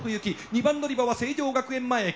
２番乗り場は成城学園前駅。